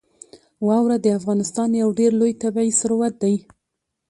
واوره د افغانستان یو ډېر لوی طبعي ثروت دی.